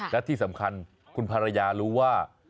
และที่สำคัญคุณภรรยารู้ว่า